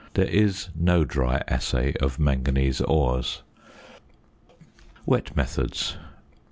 There is no dry assay of manganese ores. WET METHODS.